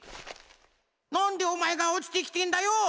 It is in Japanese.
なんでおまえがおちてきてんだよ！